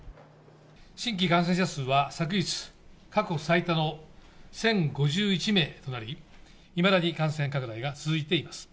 新規感染者数は昨日、過去最多の１０５１名となり、いまだに感染拡大が続いています。